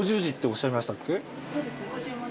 ５０字っておっしゃいましたっけ。